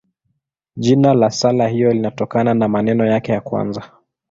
Jina la sala hiyo linatokana na maneno yake ya kwanza.